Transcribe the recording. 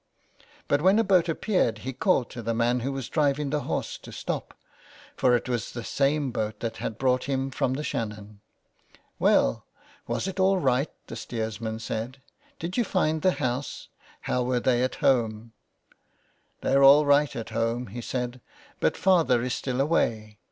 But when a boat appeared he called to the man who was driving the horse to stop, for it was the same boat that had brought him from the Shannon. "Well, was it all right?" the steersman said. 29; so ON HE FARES. "Did you find the house.? How were they at home ?" "They're all right at home," he said ; "but father is still away.